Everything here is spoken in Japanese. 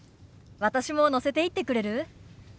私も乗せていってくれる？